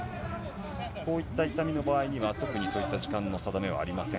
こういった痛みの場合には、特にそういった時間の定めはありません。